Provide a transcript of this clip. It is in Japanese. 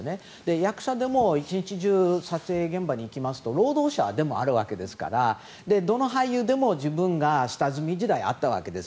役者でも一日中撮影現場に行きますと労働者でもあるわけですからどの俳優も自分が下積み時代あったわけです。